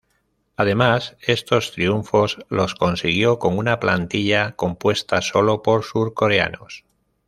Además, esos triunfos los consiguió con una plantilla compuesta solo por surcoreanos.